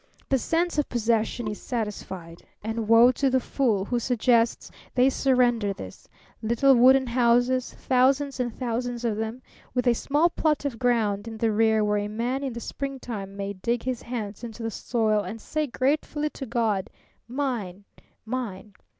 The sense of possession is satisfied. And woe to the fool who suggests they surrender this. Little wooden houses, thousands and thousands of them, with a small plot of ground in the rear where a man in the springtime may dig his hands into the soil and say gratefully to God, 'Mine, mine!'